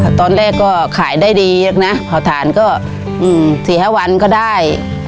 ถ้าตอนแรกก็ขายได้ดีนะพาวธานก็สี่แห้ววันก็ได้